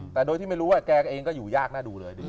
แต่โดยที่ไม่รู้ว่าแกเองก็อยู่ยากน่าดูเลย